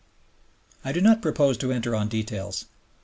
I do not propose to enter on details.